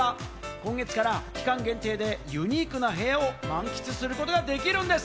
今月から期間限定でユニークな部屋を満喫することができるんです。